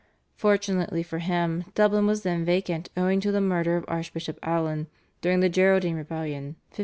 Fortunately for him Dublin was then vacant owing to the murder of Archbishop Alen during the Geraldine rebellion (1534).